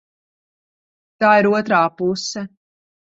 Tā ir otrā puse.